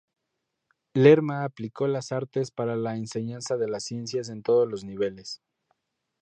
Lerman aplicó las artes para la enseñanza de las ciencias en todos los niveles.